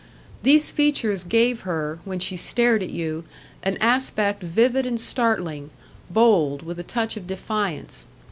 These features gave her, when she stared at you, an aspect vivid and startling, bold, with a touch of defiance.